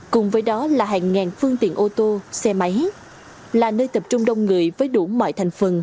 cùng với đó là hàng ngàn phương tiện ô tô xe máy là nơi tập trung đông người với đủ mọi thành phần